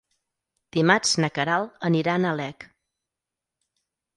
Dimarts na Queralt anirà a Nalec.